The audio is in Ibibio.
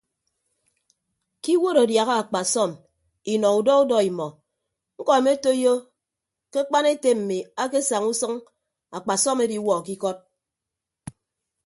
Ke iwuod adiaha akpasọm inọ udọ udọ imọ ñkọ emetoiyo ke akpan ete mmi akesaña usʌñ akpasọm ediwuọ ke ikọd.